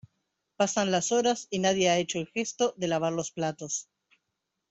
Pasan las horas y nadie ha hecho el gesto de lavar los platos.